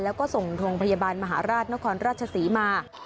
แล้วก็ส่งโรงพยาบาลมหาราชนครราชศรีมา